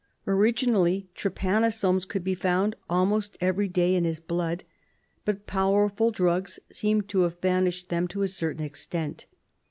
Originally trypanosomes could be found almost every day in his blood, but powerful drugs seem to have banished them to a certain extent.